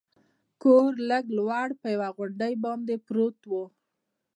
کور لږ لوړ پر یوې غونډۍ باندې پروت و.